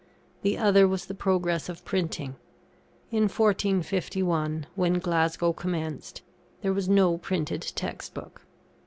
The other was the progress of printing. In 1451, when Glasgow commenced, there was no printed text book.